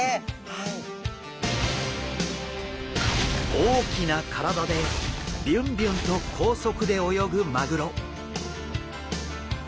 大きな体でビュンビュンと高速で泳ぐマグロ。